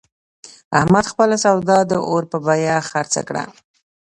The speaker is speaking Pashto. احمد خپله سودا د اور په بیه خرڅه کړه.